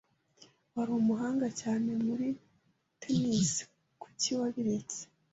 Wari umuhanga cyane muri tennis. Kuki wabiretse?